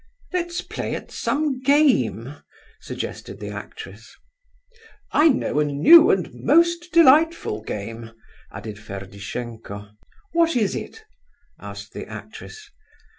"Let's play at some game!" suggested the actress. "I know a new and most delightful game, added Ferdishenko. "What is it?" asked the actress.